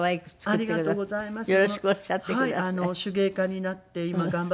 ありがとうございます。